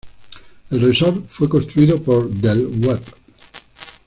El resort fue construido por Del Webb.